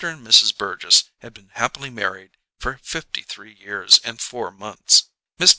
and Mrs. Burgess had been happily married for fifty three years and four months. Mr.